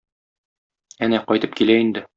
Әнә, кайтып килә инде.